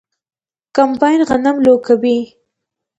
کمباین غنم لو کوي.